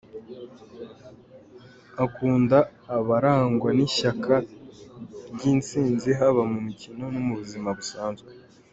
Akunda abarangwa n’ishyaka ry’intsinzi haba mu mikino no mu buzima busanzwe.